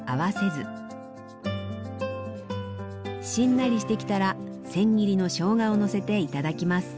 しんなりしてきたら千切りのしょうがをのせて頂きます。